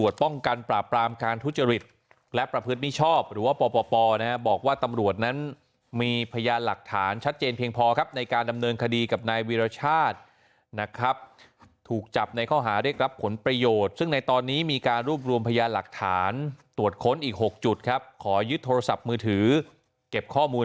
หลักฐานตรวจค้นอีก๖จุดครับขอยึดโทรศัพท์มือถือเก็บข้อมูล